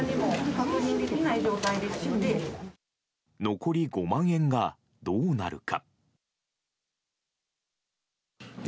残り５万円が、どうなるか。